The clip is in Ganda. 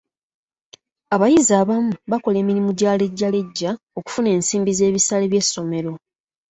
Abayizi abamu bakola emirimu gya lejjalejja okufuna ensimbi z'ebisale by'essomero.